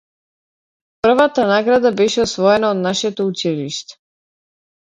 Првата награда беше освоена од нашето училиште.